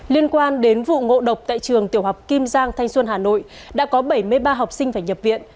liên quan đến vụ ngộ độc tại trường tiểu học kim giang thanh xuân hà nội đã có bảy mươi ba học sinh phải nhập viện